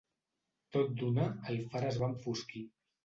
Tot d'una, el far es va enfosquir.